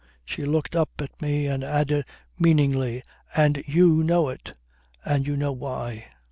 She looked up at me and added meaningly: "And you know it. And you know why."